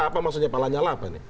apa maksudnya pak lanyala apa ini